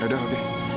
ya udah oke